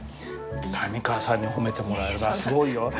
谷川さんに褒めてもらえるのはすごいよ。